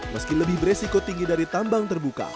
meski lebih beresiko tinggi dari tambang terbuka